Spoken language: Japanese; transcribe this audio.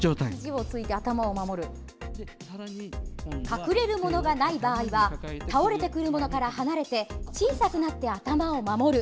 隠れるものがない場合は倒れてくるものから離れて小さくなって頭を守る